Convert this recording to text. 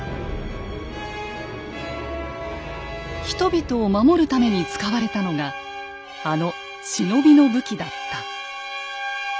人々を守るために使われたのがあの忍びの武器だった。